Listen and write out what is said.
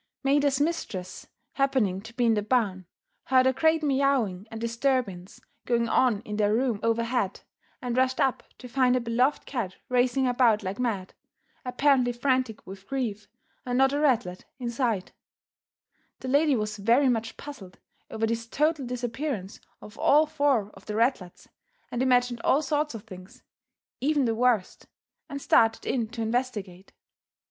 Maida's mistress, happening to be in the barn, heard a great meowing and disturbance going on in their room overhead and rushed up to find her beloved cat racing about like mad, apparently frantic with grief and not a ratlet in sight. The lady was very much puzzled over this total disappearance of all four of the ratlets and imagined all sorts of things, even the worst, and started in to investigate.